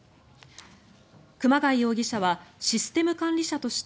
熊谷容疑者はシステム管理者として